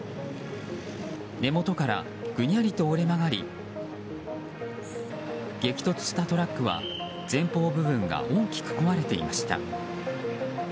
根元からぐにゃりと折れ曲がり激突したトラックは前方部分が大きく壊れていました。